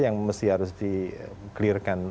yang harus di clearkan